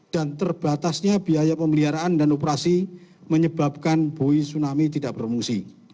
dan terbatasnya biaya pemeliharaan dan operasi menyebabkan bui tsunami tidak berfungsi